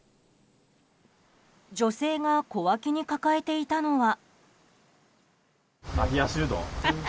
女性が小脇に抱えていたのは。